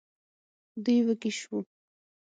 دوی وږي شوو.